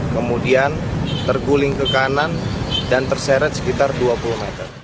kemudian terguling ke kanan dan terseret sekitar dua puluh meter